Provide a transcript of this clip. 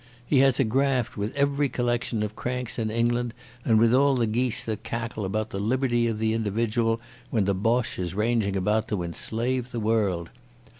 He has a graft with every collection of cranks in England, and with all the geese that cackle about the liberty of the individual when the Boche is ranging about to enslave the world.